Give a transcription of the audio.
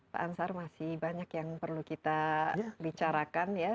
pak ansar masih banyak yang perlu kita bicarakan ya